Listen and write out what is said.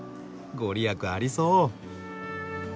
御利益ありそう。